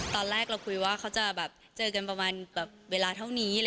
ตอนแรกเราคุยว่าเขาจะแบบเจอกันประมาณแบบเวลาเท่านี้